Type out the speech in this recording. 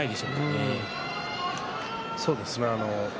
そうですね。